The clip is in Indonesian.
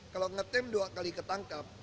kalau ngetem dua kali ketangkap